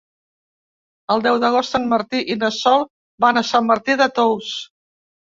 El deu d'agost en Martí i na Sol van a Sant Martí de Tous.